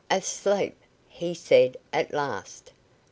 "Asleep!" he said at last.